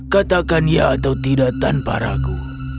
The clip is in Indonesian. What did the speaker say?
katakan ya atau tidak tanpa ragu